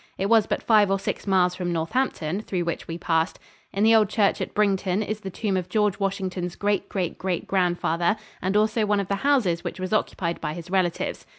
It was but five or six miles from Northampton, through which we passed. In the old church at Brington is the tomb of George Washington's great great great grandfather and also one of the houses which was occupied by his relatives.